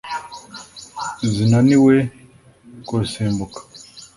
zinaniwe kurusimbuka